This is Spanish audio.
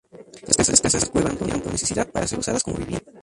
Las casas cueva surgieron por necesidad, para ser usadas como vivienda.